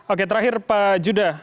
oke terakhir pak judah